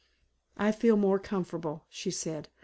"I feel more comfortable," she said.